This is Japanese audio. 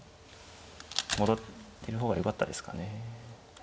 戻りの方がよかったですかね。